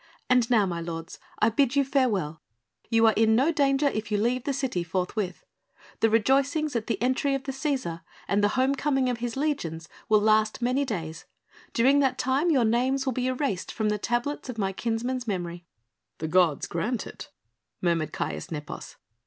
And now, my lords, I bid you farewell! You are in no danger if you leave the city forthwith. The rejoicings at the entry of the Cæsar and the homecoming of his legions will last many days, during that time your names will be erased from the tablets of my kinsman's memory." "The gods grant it!" murmured Caius Nepos.